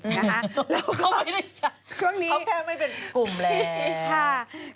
เขาไม่ได้จับเขาแค่ไม่เป็นกลุ่มแล้ว